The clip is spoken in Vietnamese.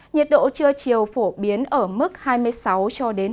nhiệt độ trưa chiều phổ biến ở mức hai mươi sáu cho đến hai mươi chín độ ở tây nguyên